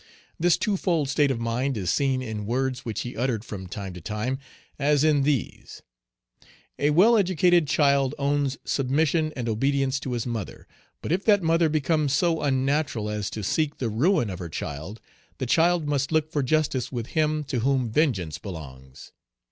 This twofold state of mind is seen in words which he uttered from time to time, as in these: "A well educated child owns submission and obedience to his mother; but if that mother becomes so unnatural as to seek the ruin of her child, the child must look for justice with Him to whom vengeance belongs.